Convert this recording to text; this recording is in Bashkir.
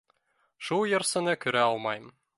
Шул йырсыны күрә алмайым.